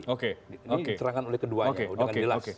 ini diterangkan oleh keduanya dengan jelas